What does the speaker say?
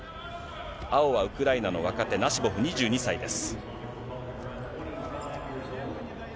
青はウクライナの若手、ナシボフ２２歳です。